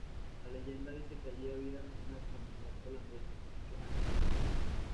La leyenda dice que allí había una comunidad holandesa muchos años atrás.